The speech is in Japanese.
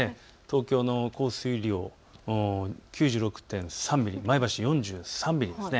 東京の降水量、９６．３ミリ、前橋４３ミリです。